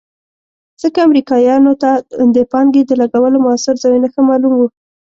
ځکه امریکایانو ته د پانګې د لګولو مؤثر ځایونه ښه معلوم وو.